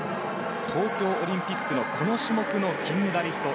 東京オリンピックのこの種目の金メダリスト